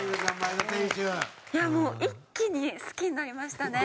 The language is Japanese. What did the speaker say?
いやもう一気に好きになりましたね。